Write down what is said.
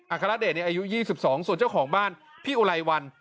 อัคระเดชเนี่ยอายุ๒๒ส่วนเจ้าของบ้านพี่อุลายวัน